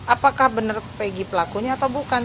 apakah benar pegi pelakunya atau bukan